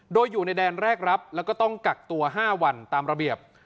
โดยอยู่ในแดนแรกรับแล้วก็ต้องกักตัว๕วันตามระเบียบ